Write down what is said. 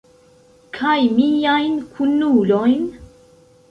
Kaj miajn kunulojn?